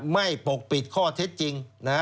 ปกปิดข้อเท็จจริง